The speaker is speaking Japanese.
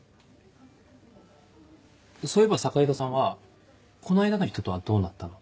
そういえば坂井戸さんはこの間の人とはどうなったの？